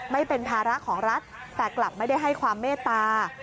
ไม่เป็นภาระของรัฐแต่กลับไม่ได้ให้ความเมตตา